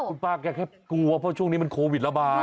คุณป้าแกแค่กลัวเพราะช่วงนี้มันโควิดระบาด